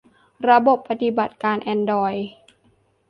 ระบบปฏิบัติการแอนดรอยด์